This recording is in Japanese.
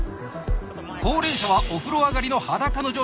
高齢者はお風呂上がりの裸の状態。